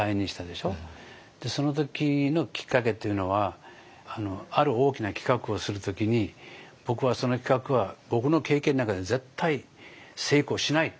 その時のきっかけっていうのはある大きな企画をする時に僕はその企画は僕の経験の中で絶対成功しないっていう信念があったんですよ。